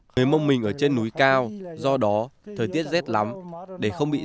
người mong mình ở trên núi cao do đó thời tiết rét lắm để không bị rét